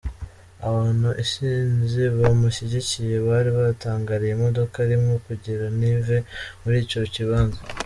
Abantu isinzi bamushigikiye bari batangiriye imodoka arimwo kugira ntive muri ico kibanza.